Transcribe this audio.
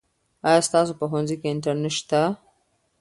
آیا ستاسو په ښوونځي کې انټرنیټ شته؟